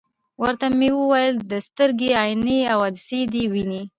ورته ومي ویل: د سترګي عینیې او عدسیې دي وینې ؟